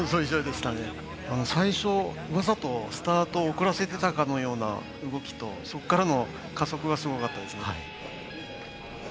最初わざとスタートを遅らせてたかのような動きとそっからの加速がすごかったですね。